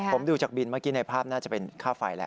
ผมดูจากบินเมื่อกี้ในภาพน่าจะเป็นค่าไฟแหละ